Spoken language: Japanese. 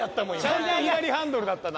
ちゃんと左ハンドルだったな。